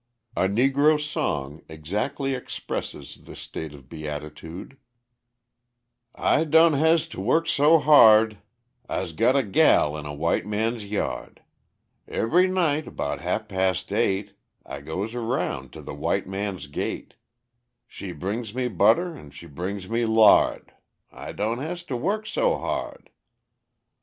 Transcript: A Negro song exactly expresses this state of beatitude: "I doan has to work so ha'd I's got a gal in a white man's ya'd; Ebery night 'bout half pas' eight I goes 'round to the white man's gate: She brings me butter and she brings me la'd I doan has to work so ha'd!"